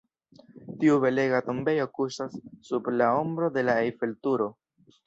Tiu belega tombejo kuŝas sub la ombro de la Eiffel-Turo.